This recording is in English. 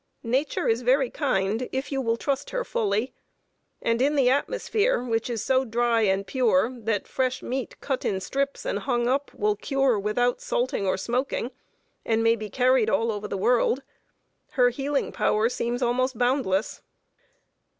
Nature is very kind, if you will trust her fully; and in the atmosphere, which is so dry and pure that fresh meat, cut in strips and hung up, will cure without salting or smoking, and may be carried all over the world, her healing power seems almost boundless.